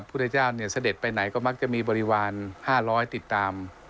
ซึ่งพระเจ้าเข้ากลุ่มการจะได้เข้ากับรังและอุปกฏิบัติลองศิษย์